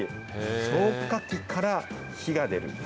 消火器から火が出る。